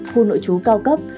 khu nội trú cao cấp